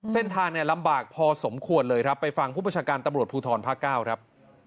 เส้นทางเนี่ยลำบากพอสมควรเลยครับไปฟังผู้ประชาการตำรวจภูทรภาคเก้าครับ